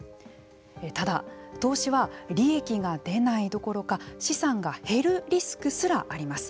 ただ、投資は利益が出ないどころか資産が減るリスクすらあります。